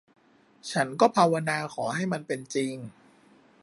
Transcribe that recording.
ฉันก็ภาวนาขอให้มันเป็นจริง